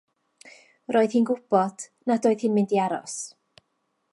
Roedd hi'n gwybod nad oedd hi'n mynd i aros.